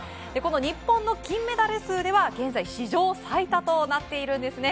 日本の金メダル数では現在、史上最多となっているんですね。